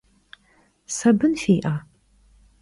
Sabın fi'e?